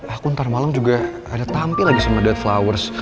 aku ntar malam juga ada tampil lagi sama dead flowers